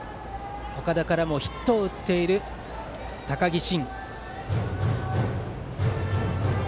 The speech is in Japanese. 岡田からもヒットを打っている高木真心。